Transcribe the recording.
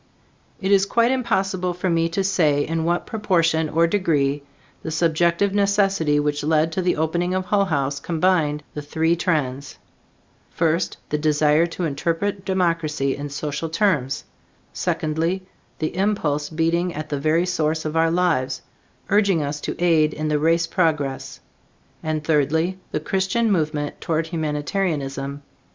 It is quite impossible for me to say in what proportion or degree the subjective necessity which led to the opening of Hull House combined the three trends: first, the desire to interpret democracy in social terms; secondly, the impulse beating at the very source of our lives, urging us to aid in the race progress; and, thirdly, the Christian movement toward humanitarianism.